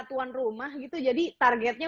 tuan rumah gitu jadi targetnya